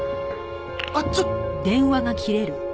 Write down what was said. あっちょっ！